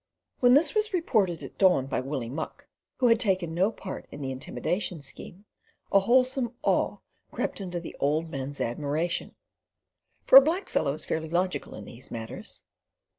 When this was reported at dawn by Billy Muck, who had taken no part in the intimidation scheme, a wholesome awe crept into the old men's admiration; for a black fellow is fairly logical in these matters.